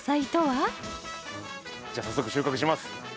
じゃ早速収穫します。